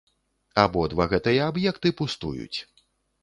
Абодва гэтыя аб'екты пустуюць.